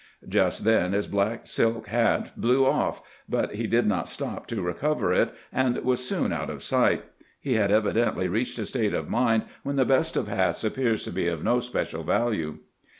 Just tben bis black silk bat blew off, but be did not stop to recover it, and ly^ s soon out of sigbt. He bad evidently reacbed a state of mind wben tbe best of bats appears to be of no special value.